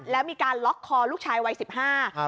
แล้วมีการล็อกคอลูกชายวัยสิบห้า